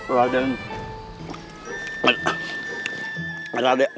keren sekali tuhan